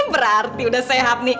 berarti udah sehat nih